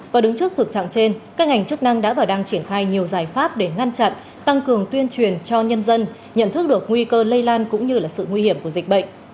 và đứng trước thực trạng trên các ngành chức năng đã và đang triển khai nhiều giải pháp để ngăn chặn tăng cường tuyên truyền cho nhân dân nhận thức được nguy cơ lây lan cũng như sự nguy hiểm của dịch bệnh